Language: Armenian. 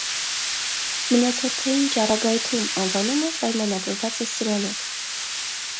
«Մնացորդային ճառագայթում» անվանումը պայմանավորված է սրանով։